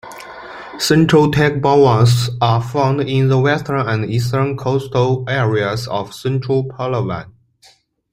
"Central Tagbanwas" are found in the western and eastern coastal areas of central Palawan.